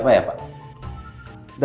pas di lebasify owbence